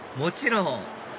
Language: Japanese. もちろん！